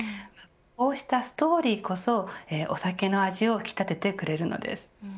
こうしたストーリーこそお酒の味を引き立ててくれるのです。